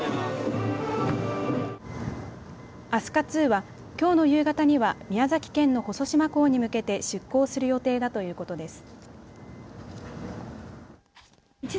飛鳥ＩＩは、きょうの夕方には宮崎県の細島港に向けて出港する予定だということです。